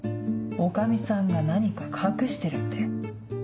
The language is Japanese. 女将さんが何か隠してるって。